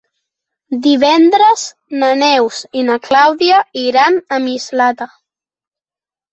Divendres na Neus i na Clàudia iran a Mislata.